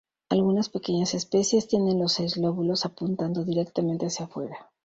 Algunas pequeñas especies tienen los seis lóbulos apuntando directamente hacia fuera.